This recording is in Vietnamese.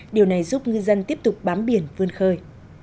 điều này giúp ngư dân tiếp tục bám biển vươn khơi